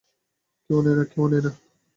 কেউ নেয় না।